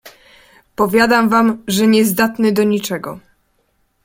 "Powiadam wam, że niezdatny do niczego!"